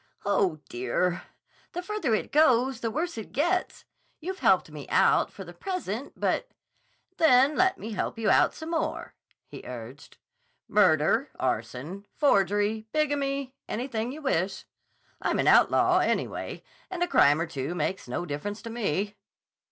"Oh, dear! The further it goes, the worse it gets. You've helped me out, for the present, but—" "Then let me help you out some more," he urged. "Murder, arson, forgery, bigamy, anything you wish. I'm an outlaw, anyway, and a crime or two makes no difference to me."